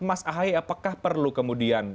mas ahaye apakah perlu kemudian